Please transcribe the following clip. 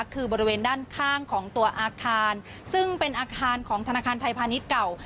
คือบริเวณด้านข้างของตัวอาคารซึ่งเป็นอาคารของธนาคารไทยพาณิชย์เก่า